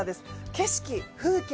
景色風景